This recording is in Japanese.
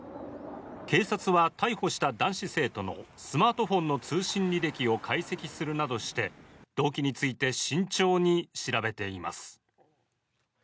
警察は、逮捕した男子生徒のスマートフォンの通信履歴を解析するなどして、動機について慎重に調べています。